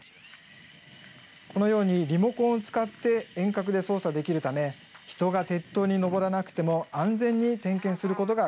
このように、リモコンを使って遠隔で操作できるため人が鉄塔に上らなくても安全に点検することができます。